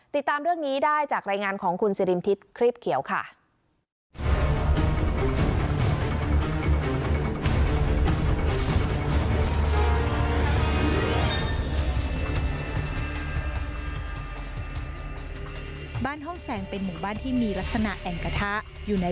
ติดตามเรื่องนี้ได้จากรายงานของคุณสิรินทิพย์ครีบเขียวค่ะ